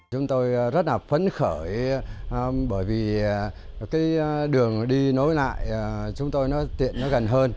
chúng tôi rất là phấn khởi bởi vì đường đi nối lại chúng tôi tiện gần hơn